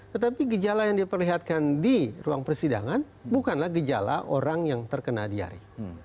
tetapi gejala yang diperlihatkan di ruang persidangan bukanlah gejala orang yang terkena diare